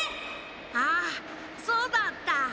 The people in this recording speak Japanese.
ああそうだった！